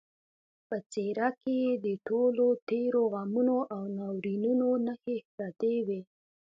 په څېره کې یې د ټولو تېرو غمونو او ناورینونو نښې پرتې وې